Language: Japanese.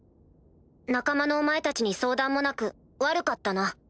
仲間のお前たちに相談もなく悪かったな。